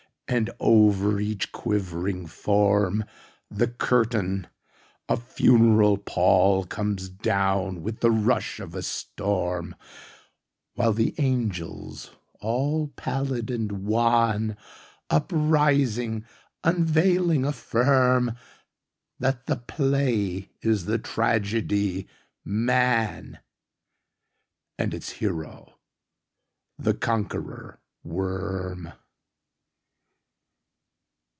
And, over each quivering form, The curtain, a funeral pall, Comes down with the rush of a storm, While the angels, all pallid and wan, Uprising, unveiling, affirmThat the play is the tragedy, 'Man,'And its hero the Conqueror Worm.